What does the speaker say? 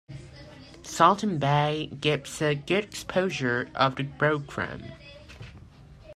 Saltom Bay gives a good exposure of the Brockram.